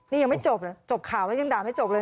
นี่ยังไม่จบจบข่าวแล้วยังด่าไม่จบเลย